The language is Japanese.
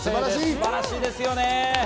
素晴らしいですよね。